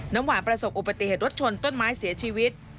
น้ำหวานประสบอุบัติเหตุรถชนต้นไม้เสียชีวิต